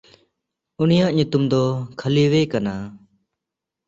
ᱩᱱᱤᱭᱟᱜ ᱧᱩᱛᱩᱢ ᱫᱚ ᱠᱷᱟᱞᱤᱣᱮ ᱠᱟᱱᱟ᱾